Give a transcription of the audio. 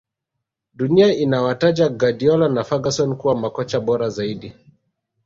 dunia inawataja guardiola na ferguson kuwa makocha bora zaidi